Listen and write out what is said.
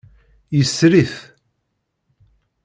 Yesri-t.